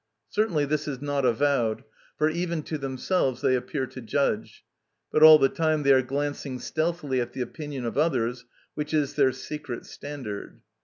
Certainly this is not avowed, for even to themselves they appear to judge; but all the time they are glancing stealthily at the opinion of others, which is their secret standard.